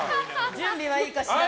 準備はいいかしら？